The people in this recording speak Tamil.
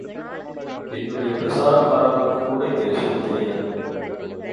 என்னுடைய பிரசாரகர்களுக்குக்கூட இந்த விஷயம் தெரியாது.